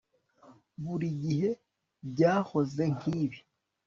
Buri gihe byahoze nkibi